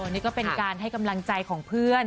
นี่ก็เป็นการให้กำลังใจของเพื่อน